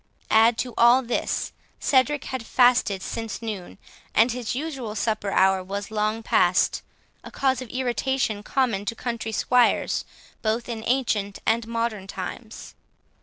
Add to all this, Cedric had fasted since noon, and his usual supper hour was long past, a cause of irritation common to country squires, both in ancient and modern times.